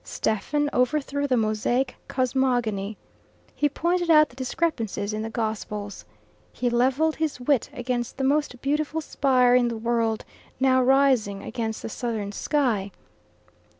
Stephen overthrew the Mosaic cosmogony. He pointed out the discrepancies in the Gospels. He levelled his wit against the most beautiful spire in the world, now rising against the southern sky.